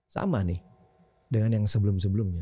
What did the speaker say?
sama nih dengan yang sebelum sebelumnya